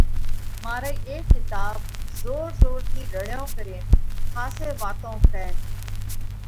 مارئِي اي ڪِتاٻ زور زور ٿِي رڙيون ڪرينَ ۿاسي واتون ڪئه